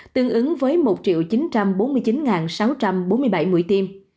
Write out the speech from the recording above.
tương ứng với một chín trăm bốn mươi chín sáu trăm bốn mươi bảy mũi tiêm